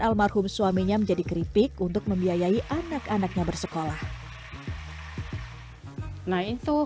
almarhum suaminya menjadi keripik untuk membiayai anak anaknya bersekolah nah itu